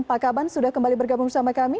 pak kaban sudah kembali bergabung sama kami